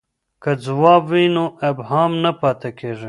که ځواب وي نو ابهام نه پاتیږي.